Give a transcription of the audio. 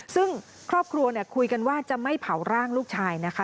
ซึ่งครอบครัวคุยกันว่าจะไม่เผาร่างลูกชายนะคะ